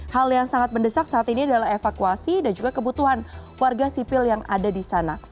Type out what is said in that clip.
hal yang sangat mendesak saat ini adalah evakuasi dan juga kebutuhan warga sipil yang ada di sana